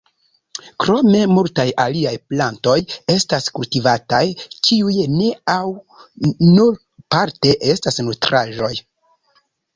Krome multaj aliaj plantoj estas kultivataj, kiuj ne au nur parte estas nutraĵoj.